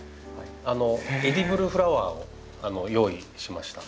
エディブルフラワーを用意しました。